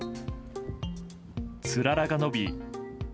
つららが伸び